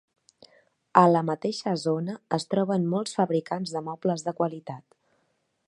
A la mateixa zona es troben molts fabricants de mobles de qualitat.